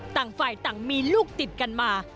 ต่างฝ่ายต่างมีลูกติดกันมา